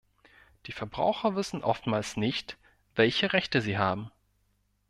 Die Verbraucher wissen oftmals nicht, welche Rechte sie haben.